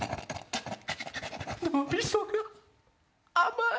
脳みそが甘い。